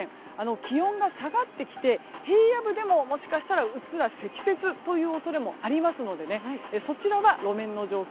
気温が下がってきて平野部でももしかしたら、うっすら積雪という恐れもありますのでそちらは路面の状況